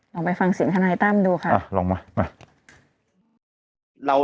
ลองไปฟังสินคณะให้ต้ามดูค่ะลองมา